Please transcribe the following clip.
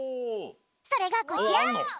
それがこちら！